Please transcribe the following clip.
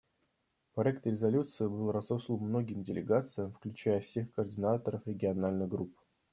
Проект резолюции был разослан многим делегациям, включая всех координаторов региональных групп.